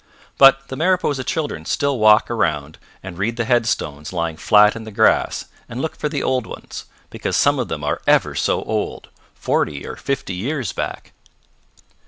But the Mariposa children still walk round and read the headstones lying flat in the grass and look for the old ones, because some of them are ever so old forty or fifty years back.